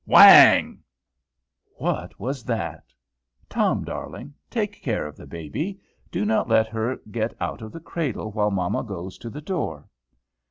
Whang! What was that? "Tom, darling, take care of baby; do not let her get out of the cradle, while mamma goes to the door."